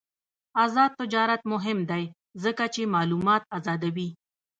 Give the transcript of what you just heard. آزاد تجارت مهم دی ځکه چې معلومات آزادوي.